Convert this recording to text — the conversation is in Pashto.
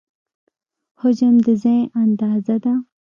حجم د ځای اندازه ده.